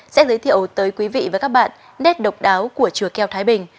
sẽ giới thiệu tới quý vị và các bạn nét độc đáo của chùa keo thái bình